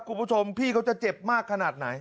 คุณผู้ชมพี่เขาจะเจ็บมากขนาดไหน